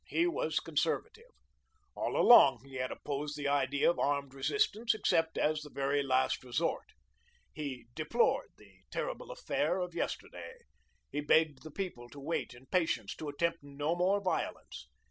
He was conservative. All along he had opposed the idea of armed resistance except as the very last resort. He "deplored" the terrible affair of yesterday. He begged the people to wait in patience, to attempt no more violence.